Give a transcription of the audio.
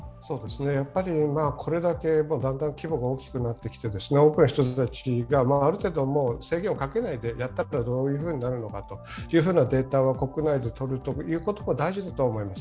これだけ規模が大きくなってきて多くの人たちがある程度、制限をかけなくてやったらどうなるのかデータは国内でとるということも大事だと思います。